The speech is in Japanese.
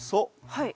はい。